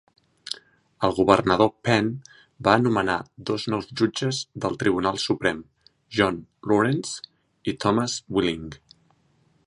El governador Penn va nomenar dos nous jutges del Tribunal Suprem, John Lawrence i Thomas Willing.